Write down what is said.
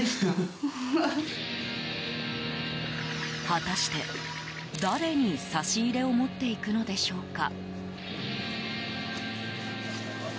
果たして、誰に差し入れを持っていくのでしょうか。